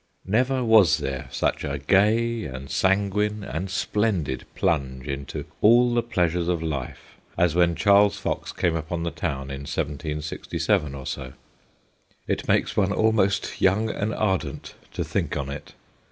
Never was there such a gay and sanguine and splendid plunge into all the pleasures of life, as when Charles Fox came upon the town in 1767 or so. It makes one almost young and ardent to think on it.